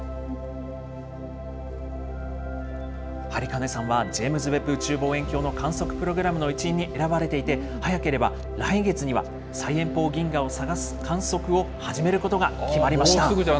播金さんは、ジェームズ・ウェッブ宇宙望遠鏡の観測プログラムの一員に選ばれていて、早ければ来月には最遠方銀河を探す観測を始めることが決まりまし